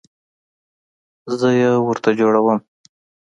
زه یې ورته جوړوم